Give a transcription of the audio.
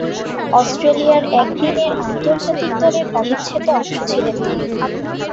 অস্ট্রেলিয়ার একদিনের আন্তর্জাতিক দলের অবিচ্ছেদ্য অংশ ছিলেন তিনি।